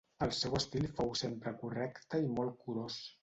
El seu estil fou sempre correcte i molt curós.